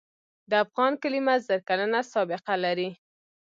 د افغان کلمه زر کلنه سابقه لري.